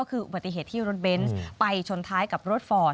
ก็คืออุบัติเหตุที่รถเบนส์ไปชนท้ายกับรถฟอร์ด